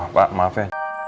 pak maaf ya